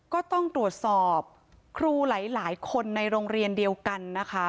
ก็ต้องตรวจสอบครูหลายคนในโรงเรียนเดียวกันนะคะ